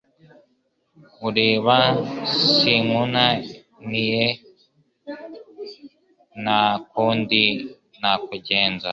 Ureba sinkuna niye nta kundi nakugenza